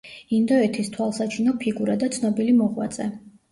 ინდოეთის თვალსაჩინო ფიგურა და ცნობილი მოღვაწე.